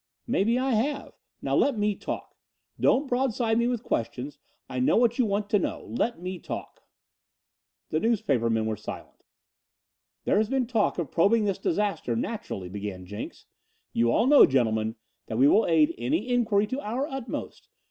"Maybe I have. Now let me talk. Don't broadside me with questions. I know what you want to know. Let me talk." The newspapermen were silent. "There has been talk of probing this disaster, naturally," began Jenks. "You all know, gentlemen, that we will aid any inquiry to our utmost.